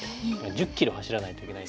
１０キロ走らないといけない。